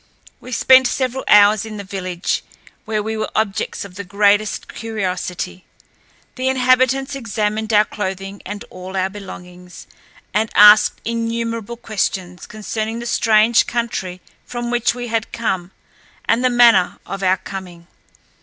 We spent several hours in the village, where we were objects of the greatest curiosity. The inhabitants examined our clothing and all our belongings, and asked innumerable questions concerning the strange country from which we had come and the manner of our coming.